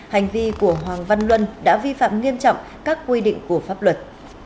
hành vi của hoàng văn luân đã vi phạm nghiêm trọng các quy định của pháp luật